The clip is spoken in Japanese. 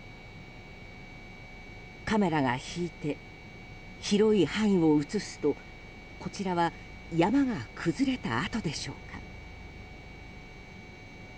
カメラが引いて広い範囲を映すとこちらは山が崩れた跡でしょうか？